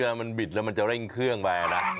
มันบิดแล้วมันจะเร่งเครื่องไปนะ